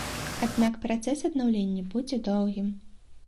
Аднак працэс аднаўлення будзе доўгім.